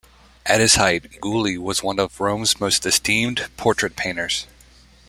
At his height, Gaulli was one of Rome's most esteemed portrait painters.